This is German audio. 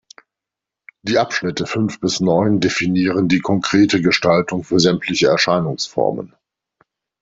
Die Abschnitte fünf bis neun definieren die korrekte Gestaltung für sämtliche Erscheinungsformen.